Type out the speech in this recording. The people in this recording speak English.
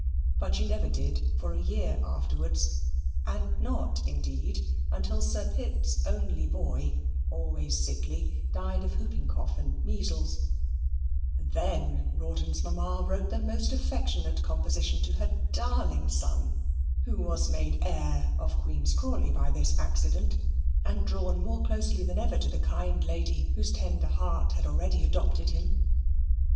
But she never did for a year afterwards, and not, indeed, until Sir Pitt's only boy, always sickly, died of hooping cough and measles then Rawdon's mamma wrote the most affectionate composition to her darling son, who was made heir of Queen's Crawley by this accident, and drawn more closely than ever to the kind lady, whose tender heart had already adopted him.